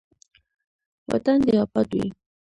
وطن دې اباد وي.